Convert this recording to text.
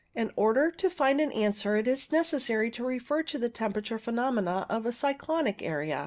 In order to find the answer io8 CUMULO NIMBUS it is necessary to refer to the temperature pheno mena of a cyclonic area.